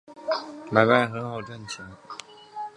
买卖很好赚钱